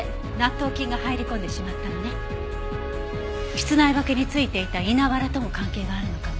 室内履きについていた稲ワラとも関係があるのかも。